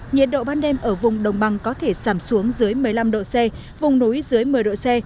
nhiệt độ ban đêm ở vùng đông băng có thể sảm xuống dưới một mươi năm độ c vùng núi dưới một mươi độ c